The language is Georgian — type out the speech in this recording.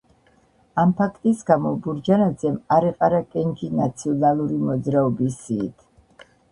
ამ ფაქტის გამო ბურჯანაძემ არ იყარა კენჭი „ნაციონალური მოძრაობის“ სიით.